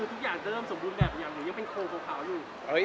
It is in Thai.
แล้วยังโคลโคร้กขาวอยู่